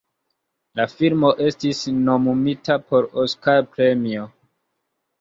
La filmo estis nomumita por Oskar-premio.